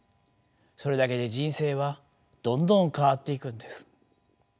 それだけで人生はどんどん変わっていくんです。